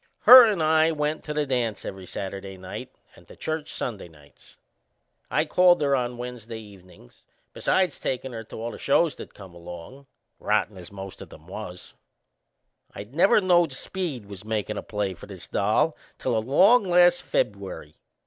Her and I went to the dance every Saturday night and to church Sunday nights. I called on her Wednesday evenin's, besides takin' her to all the shows that come along rotten as the most o' them was. I never knowed Speed was makin' a play for this doll till along last Feb'uary.